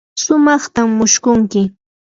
sumaqtam mushkunki.